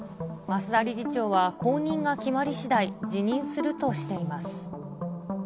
増田理事長は後任が決まりしだい、辞任するとしています。